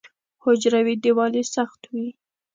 حجروي دیوال یې سخت وي.